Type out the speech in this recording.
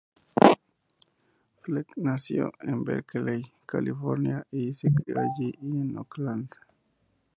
Fleck nació en Berkeley, California y se crió allí y en Oakland.